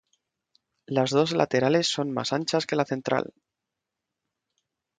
Las dos laterales son más anchas que la central.